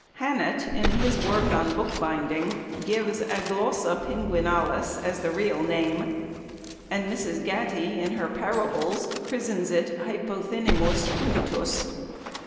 Hannett, in his work on book binding, gives "Aglossa pinguinalis" as the real name, and Mrs. Gatty, in her Parables, christens it "Hypothenemus cruditus."